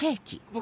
僕